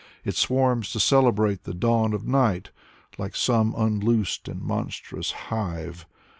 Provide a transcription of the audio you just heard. It swarms to celebrate the dawn of night Like some unloosed and monstrous hive.